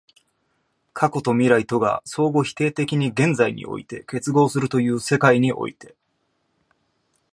過去と未来とが相互否定的に現在において結合するという世界において、